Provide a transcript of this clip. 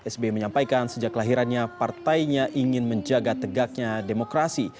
sbi menyampaikan sejak lahirannya partainya ingin menjaga tegaknya demokrasi